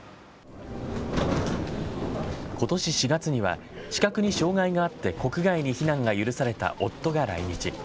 ことし４月には、視覚に障害があって、国外に避難が許された夫が来日。